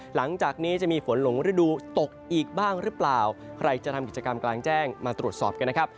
หลังจากนี้จะมีฝนหลงฤดูตกอีกบ้างหรือเปล่าใครจะทำกิจกรรมกลางแจ้งมาตรวจสอบกันนะครับ